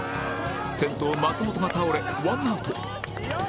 先頭松本が倒れワンアウト